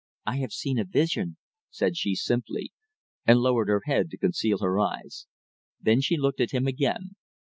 "I have seen a vision," said she simply, and lowered her head to conceal her eyes. Then she looked at him again.